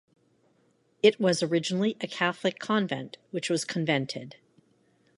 It was originally a Catholic Convent which was convented.